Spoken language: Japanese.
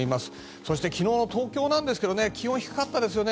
そして、昨日の東京なんですけど気温、低かったですよね。